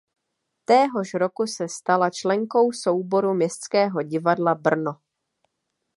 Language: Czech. Téhož roku se stala členkou souboru Městského divadla Brno.